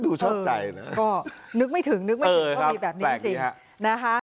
นึกไม่ถึงนึกไม่ถึงว่ามีแบบนี้จริงนะคะ